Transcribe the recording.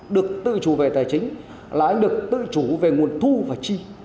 được tự chủ về tài chính là anh được tự chủ về nguồn thu và chi